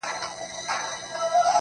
ژوند مي هيڅ نه دى ژوند څه كـړم~